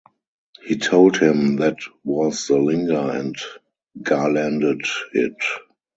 He told him that was the Linga and garlanded it.